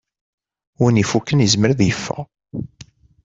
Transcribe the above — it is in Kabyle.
Win ifukken yezmer ad yeffeɣ.